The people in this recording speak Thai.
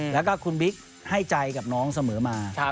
แล้วก็คุณบิ๊กให้ใจกับน้องเสมอมา